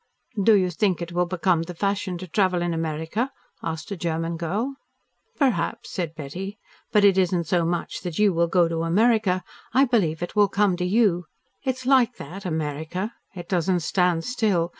"Do you think it will become the fashion to travel in America?" asked a German girl. "Perhaps," said Betty. "But it isn't so much that you will go to America. I believe it will come to you. It's like that America. It doesn't stand still.